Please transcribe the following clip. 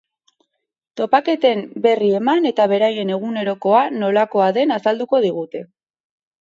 Topaketen berri eman eta beraien egunerokoa nolakoa den azaldu digute.